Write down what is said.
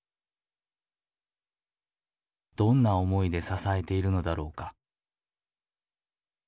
どんな思いで支えているのだろうか。